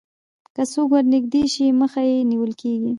که څوک ورنژدې شي مخه یې نیول کېږي